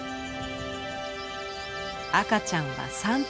赤ちゃんは３頭。